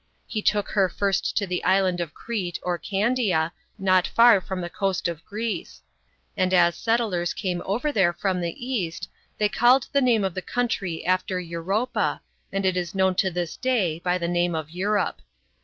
He took her first to the island of Crete or Candia, not far from the coast of Greece ; and as settlers came over there from the East, they called the name of the country after Europa, and \t is knowh to this day by the name of* Europe.